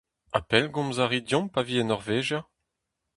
Ha pellgomz a ri deomp pa vi e Norvegia ?